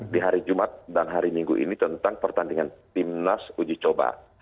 di hari jumat dan hari minggu ini tentang pertandingan timnas uji coba